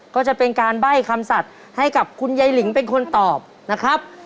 ก็จะเป็นการใบ้คำสัตว์ให้กับคุณยายลิงเป็นคนตอบนะครับ